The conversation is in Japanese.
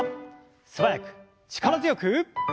素早く力強く！